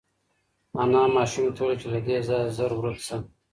انا ماشوم ته وویل چې له دې ځایه زر ورک شه.